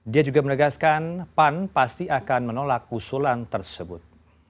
dia juga menegaskan pan pasti akan menolak usulan tersebut